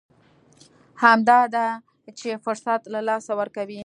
همدا ده چې فرصت له لاسه ورکوي.